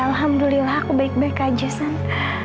alhamdulillah aku baik baik aja santa